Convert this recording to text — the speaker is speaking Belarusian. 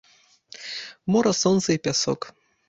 Мора, сонца і пясок.